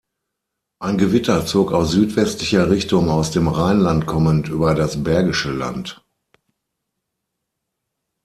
Ein Gewitter zog aus südwestlicher Richtung aus dem Rheinland kommend über das Bergische Land.